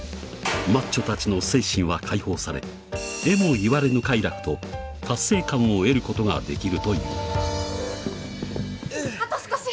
マッチョ達の精神は解放され得も言われぬ快楽と達成感を得ることができるというあと少し！